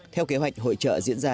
theo kế hoạch hội trợ diễn ra